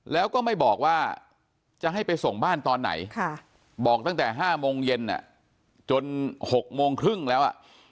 แล้วก็ไม่บอกว่าจะให้ไปส่งบ้านตอนไหนบอกตั้งแต่๕โมงเย็นจน๖โมงครึ่งแล้ว